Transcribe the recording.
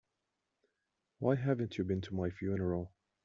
Why haven't you been to my funeral?